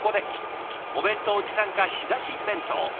お弁当持参か仕出し弁当。